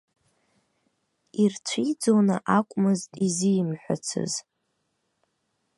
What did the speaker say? Ирцәиӡоны акәмызт изимҳәацыз.